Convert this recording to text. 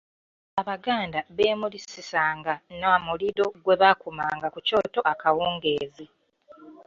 Abaganda beemulisisanga na muliro gwe bakumanga ku kyoto akawungeezi.